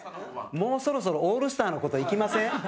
もう、そろそろオールスターの事いきません？